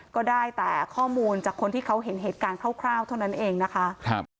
ก็ได้แต่ข้อมูลจากคนที่เขาเห็นเหตุการณ์คร่าวเท่านั้นเองนะคะครับ